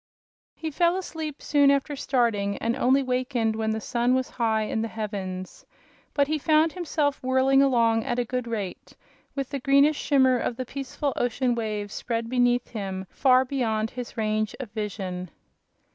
He fell asleep soon after starting, and only wakened when the sun was high in the heavens. But he found himself whirling along at a good rate, with the greenish shimmer of the peaceful ocean waves spread beneath him far beyond his range of vision.